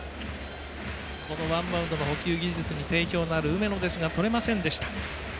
ワンバウンドの捕球技術に定評のある梅野ですがとれませんでした。